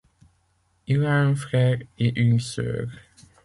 Il a un frère et une sœur.